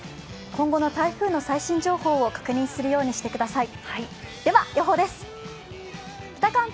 今後の台風の最新情報を確認するようにしてください。